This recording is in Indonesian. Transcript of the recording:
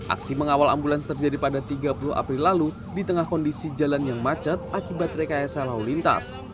aksi mengawal ambulans terjadi pada tiga puluh april lalu di tengah kondisi jalan yang macet akibat rekayasa lalu lintas